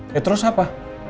ya terus apa